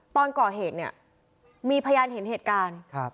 ตอนก่อเหตุเนี่ยมีพยานเห็นเหตุการณ์